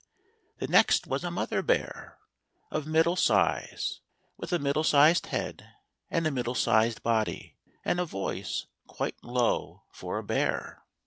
The next was a mother bear, of mid dle size, with a middle sized head, and a middle sized body, and a voice quite low for a bear.